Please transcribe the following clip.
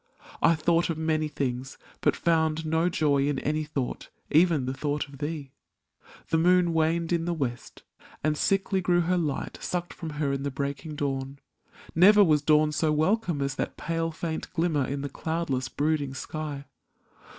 I thought of many things, but found no joy In any thought, even the thought of thee; The moon waned in the west and sickly grew Her light sucked from her in the breaking dawn — Never was dawn so welcome as that pale, Faint glimmer in the cloudless, brooding sky!